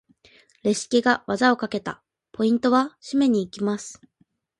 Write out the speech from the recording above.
レシキが技をかけた！ポイントは？締めに行きます！